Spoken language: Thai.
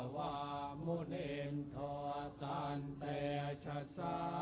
ทางเกลียเมคลังมิตตสาวทาตุ